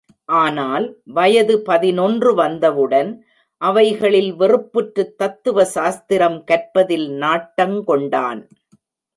ஆனால், வயது பதினொன்று வந்தவுடன், அவைகளில் வெறுப்புற்றுத் தத்துவ சாஸ்திரம் கற்பதில் நாட்டங் கொண்டான்.